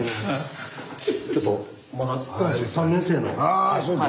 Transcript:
あそうか。